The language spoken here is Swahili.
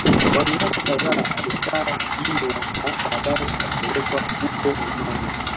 Kwa miaka kadhaa alikaa Guinea na baadae akapelekwa huko Romania